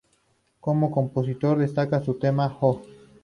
Como compositor destaca su tema "Oh!